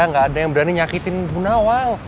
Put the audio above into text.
tidak ada yang berani menyakitkan bu nawang